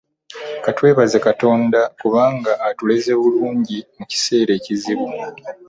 Ka twebaze Katonda kubanga atuleze bulungi mu kiseera ekizibu.